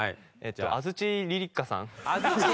あづちりりっかさん！